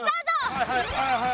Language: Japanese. はいはいはいはい。